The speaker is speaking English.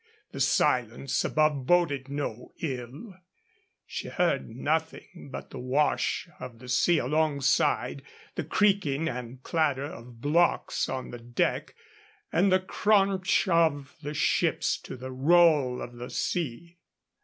The silence above boded no ill. She heard nothing but the wash of the sea alongside, the creaking and clatter of blocks on the deck, and the craunch of the ships to the roll of the sea.